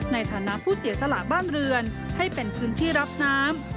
ในฐานะผู้เสียสละบ้านเรือนให้เป็นพื้นที่รับน้ำ